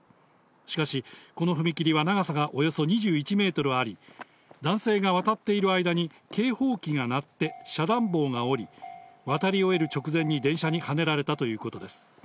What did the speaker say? しかし、この踏切は長さがおよそ２１メートルあり、男性が渡っている間に警報機が鳴って、遮断棒が下り、渡り終える直前に電車にはねられたということです。